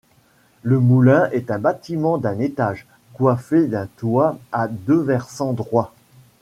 Le moulin est un bâtiment d'un étage, coiffé d'un toit à deux versants droits.